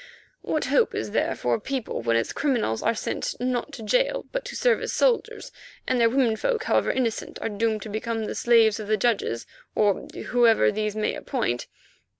What hope is there for a people when its criminals are sent, not to jail, but to serve as soldiers, and their womenfolk however innocent, are doomed to become the slaves of the judges or whoever these may appoint.